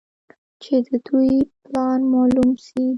چې د دوى پلان مالوم سي.